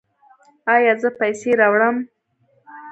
ایا زه پیسې راوړم؟